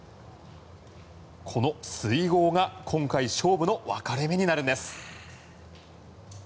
この水濠が今回勝負の分かれ目になるんです。